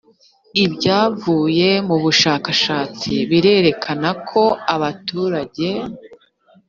ibyavuye mu bushakashatsi birerekana ko abaturage